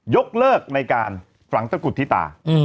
ยกเลิกในการฝังตะกุฎธิตา